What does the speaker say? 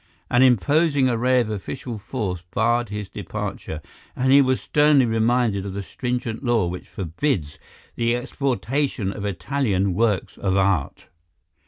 An imposing array of official force barred his departure, and he was sternly reminded of the stringent law which forbids the exportation of Italian works of art.